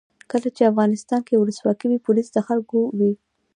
کله چې افغانستان کې ولسواکي وي پولیس د خلکو وي.